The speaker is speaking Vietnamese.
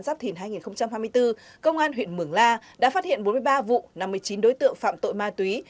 giáp thìn hai nghìn hai mươi bốn công an huyện mường la đã phát hiện bốn mươi ba vụ năm mươi chín đối tượng phạm tội ma túy